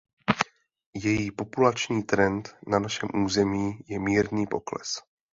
Její populační trend na našem území je mírný pokles.